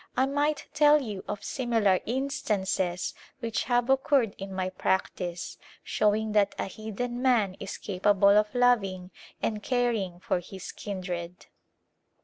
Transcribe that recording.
I might tell you of similar instances which have occurred in my practice, showing that a heathen man is capable of loving and caring for his kindred.